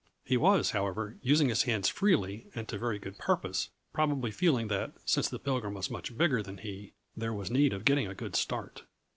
He was, however, using his hands freely and to very good purpose, probably feeling that, since the Pilgrim was much bigger than he, there was need of getting a good start.